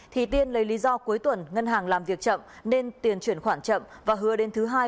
thì tiên lấy lý do cuối tuần ngân hàng làm việc chậm nên tiền chuyển khoản chậm và hứa đến thứ hai